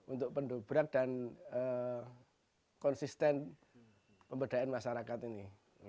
untuk pendobrak dan konsisten pemberdayaan masyarakat ini